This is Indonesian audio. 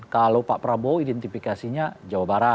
kalau pak prabowo identifikasinya jawa barat